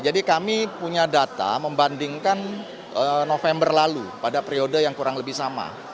jadi kami punya data membandingkan november lalu pada periode yang kurang lebih sama